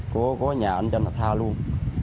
của nhà anh danh thạch tha luôn